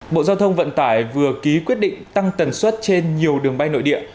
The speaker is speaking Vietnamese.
bộ giao thông vận tải vừa ký quyết định tăng tần suất trên nhiều đường bay nội địa